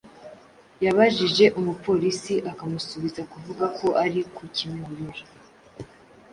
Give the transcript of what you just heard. yabajije umupolisi akamusubiza kuvuga ko ari ku Kimihurura.